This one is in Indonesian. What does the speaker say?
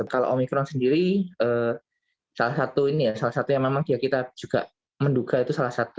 kalau omikron sendiri salah satu yang memang kita juga menduga itu salah satu